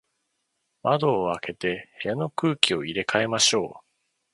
窓を開けて、部屋の空気を入れ替えましょう。